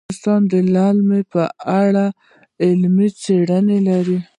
افغانستان د لعل په اړه علمي څېړنې لري.